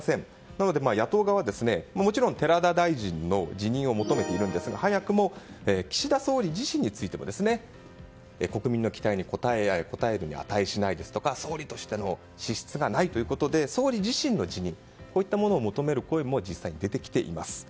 なので野党側はもちろん寺田大臣の辞任を求めているのですが早くも岸田総理自身についても国民の期待に応えるに値しないですとか総理としての資質がないということで総理自身の辞任を求める声も実際、出てきています。